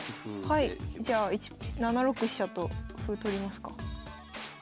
じゃあ７六飛車と歩取りますか。